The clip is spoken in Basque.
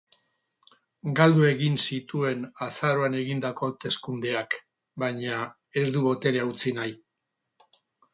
Galdu egin zituen azaroan egindako hauteskundeak, baina ez du boterea utzi nahi.